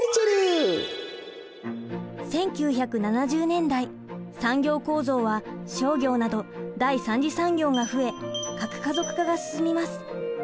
１９７０年代産業構造は商業など第３次産業が増え核家族化が進みます。